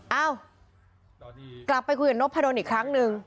เอ้ากลับไปคุยกับนบพันธ์อีกครั้งนึง